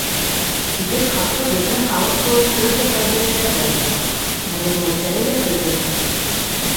— Тибет халҡы беҙҙең халыҡ кеүек төрлө ҡәбиләләрҙән тора, мәҙәниәттәре лә төрлөсә.